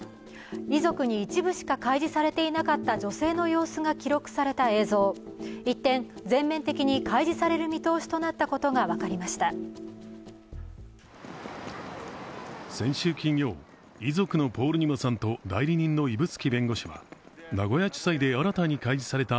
遺族に一部しか開示されていなかった女性の様子が記録された映像一転、全面的に開示される見通しとなったことが分かりました。